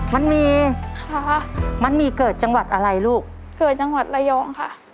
มันมีมันมีเกิดจังหวัดอะไรลูกเกิดจังหวัดระยองค่ะ